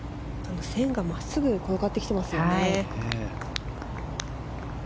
線が真っすぐ転がってきていますね。